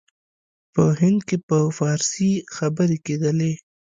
په هند کې په فارسي خبري کېدلې.